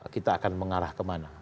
kita akan mengarah kemana